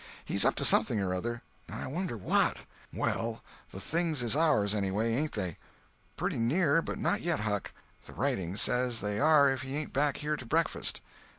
He's up to something or other. Now I wonder what?" "Well, the things is ours, anyway, ain't they?" "Pretty near, but not yet, Huck. The writing says they are if he ain't back here to breakfast."